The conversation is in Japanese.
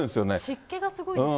湿気がすごいですよね。